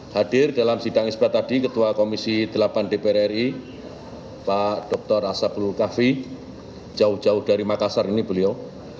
hadir dalam sidang isbat tadi ketua komisi delapan dpr ri pak dr asapul kaffi jauh jauh dari makassar ini beliau